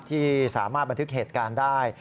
ที่สามารถบันทึกเหตุการณ์ได้